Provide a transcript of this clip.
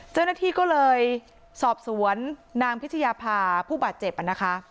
เจ้าหน้าที่ก็เลยสอบสวนนางพิชยาภาผู้บาดเจ็บนะคะ